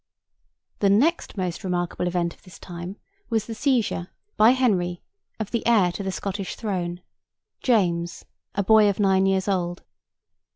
The next most remarkable event of this time was the seizure, by Henry, of the heir to the Scottish throne—James, a boy of nine years old.